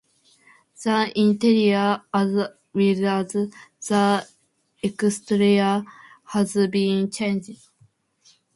The interior as well as the exterior have been changed.